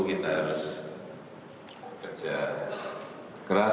kita harus bekerja keras